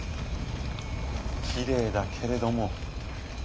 きれいだけれども。